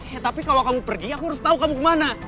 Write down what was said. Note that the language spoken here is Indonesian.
tetapi kalau kamu pergi aku harus tahu kamu kemana